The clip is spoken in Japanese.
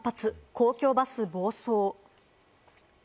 公共バス暴走。